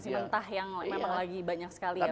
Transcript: informasi mentah yang memang lagi banyak sekali ya pak ya